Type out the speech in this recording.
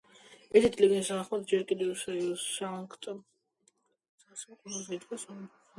ერთ-ერთი ლეგენდის თანახმად, ჯერ კიდევ სანქტ-პეტერბურგის დაარსებამდე, კუნძულზე იდგა სამლოცველო, რომელსაც დიდი ჯვარი ჰქონდა.